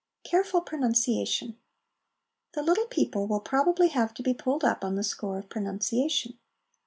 Careful Pronunciation. The little people will probably have to be pulled up on the score of pro nunciation.